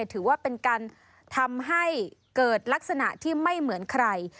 ถือว่าเป็นการทำให้เกิดลักษณะที่ไม่เหมือนใคร